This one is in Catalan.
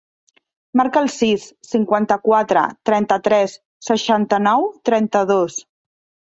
Marca el sis, cinquanta-quatre, trenta-tres, seixanta-nou, trenta-dos.